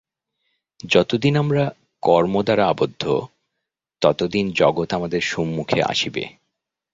যতদিন আমরা কর্ম দ্বারা আবদ্ধ, ততদিন জগৎ আমাদের সম্মুখে আসিবে।